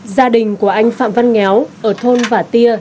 gia đình của anh phạm văn ngéo ở thôn vả tia